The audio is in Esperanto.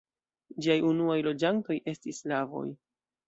Ĝiaj unuaj loĝantoj estis slavoj.